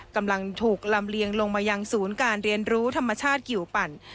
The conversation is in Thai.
กำลังถูกลำเลียงลงมายังศูนย์การเรียนรู้ธรรมชาติกิวปั่น